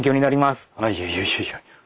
あっいやいやいやいや。